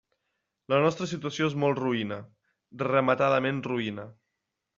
La nostra situació és molt roïna, rematadament roïna.